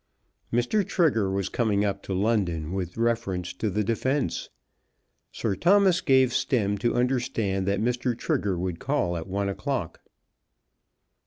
Mr. Trigger was coming up to London with reference to the defence. Sir Thomas gave Stemm to understand that Mr. Trigger would call at one o'clock.